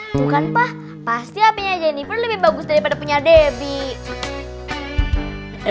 bukan pak pasti hpnya jennifer lebih bagus daripada punya debbie